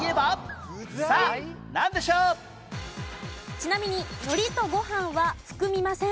ちなみにのりとご飯は含みません。